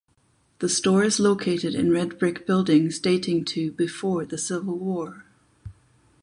The store is located in red brick buildings dating to before the Civil War.